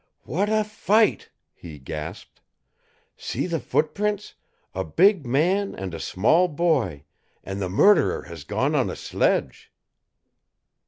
"What a fight!" he gasped. "See the footprints a big man and a small boy, and the murderer has gone on a sledge!"